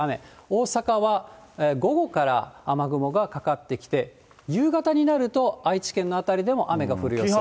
大阪は午後から雨雲がかかってきて、夕方になると、愛知県の辺りでも雨が降る予想。